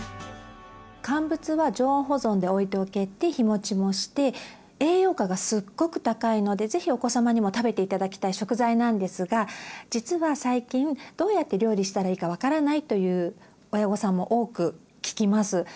乾物は常温保存で置いておけて日もちもして栄養価がすっごく高いのでぜひお子様にも食べて頂きたい食材なんですが実は最近どうやって料理したらいいか分からないという親御さんも多く聞きます。